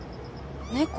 猫。